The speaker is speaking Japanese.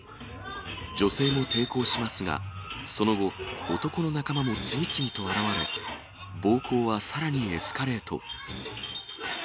女性も抵抗しますが、その後、男の仲間も次々と現れ、暴行はさらにエスカレート。